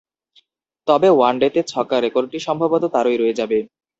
তবে ওয়ানডেতে ছক্কার রেকর্ডটি সম্ভবত তাঁরই রয়ে যাবে।